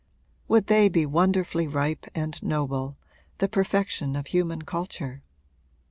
Would they be wonderfully ripe and noble, the perfection of human culture?